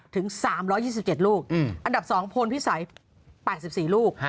ถึง๓๒๗ลูกอันดับ๒พลพิสัย๘๔ลูก